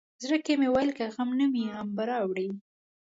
زړه کې مې ویل که غم نه وي غم به راوړي.